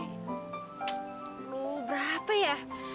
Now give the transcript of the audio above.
aduh berapa ya